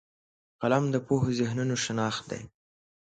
قلم د پوهو ذهنونو شناخت دی